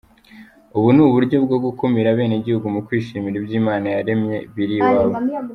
Ubu ni uburyo bwo gukumira abenegihugu mu kwishimira ibyo Imana yaremye biri iwabo.